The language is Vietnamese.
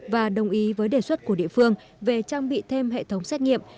và đồng ý với đề xuất của địa phương về trang bị thêm hệ thống xét nghiệm